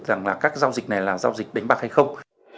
rằng là các giao dịch này là giao dịch đánh bạc hay không